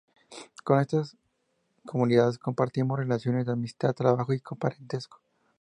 Con todas estas comunidades compartimos relaciones de amistad, trabajo y parentesco.